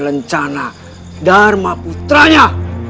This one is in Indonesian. lencana dharma putranya